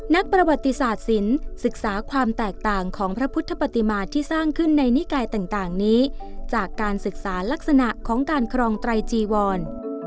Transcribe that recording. นักประวัติศาสตร์ศิลป์ศึกษาความแตกต่างของพระพุทธปฏิมาที่สร้างขึ้นในนิกายต่างนี้จากการศึกษาลักษณะของการครองไตรจีวร